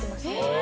え？